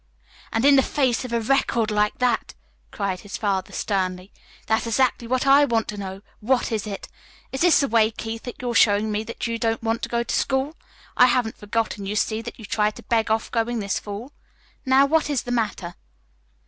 and in the face of a record like that!" cried his father sternly. "That's exactly what I want to know. What is it? Is this the way, Keith, that you're showing me that you don't want to go to school? I haven't forgotten, you see, that you tried to beg off going this fall. Now, what is the matter?"